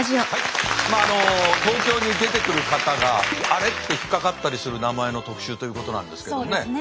東京に出てくる方が「あれ？」って引っかかったりする名前の特集ということなんですけどね。